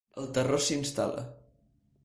El terror s'instal·la.